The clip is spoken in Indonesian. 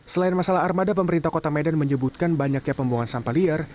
selain masalah armada pemerintah kota medan menyebutkan banyaknya pembuangan sampah liar